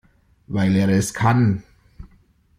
Weil er es kann.